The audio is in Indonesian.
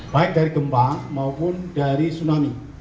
baik dari gempa maupun dari tsunami